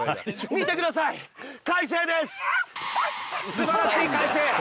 素晴らしい快晴。